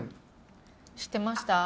知ってました？